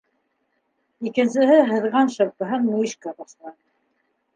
Икенсеһе һыҙған шырпыһын мөйөшкә ташланы.